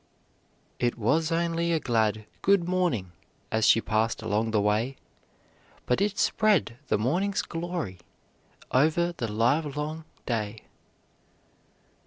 '" "It was only a glad 'good morning,' As she passed along the way, But it spread the morning's glory Over the livelong day."